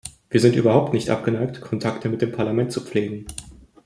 Wir sind überhaupt nicht abgeneigt, Kontakte mit dem Parlament zu pflegen.